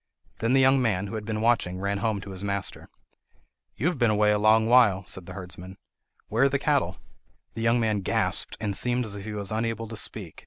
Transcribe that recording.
Then the young man, who had been watching, ran home to his master. "You have been away a long while," said the herdsman. "Where are the cattle?" The young man gasped, and seemed as if he was unable to speak.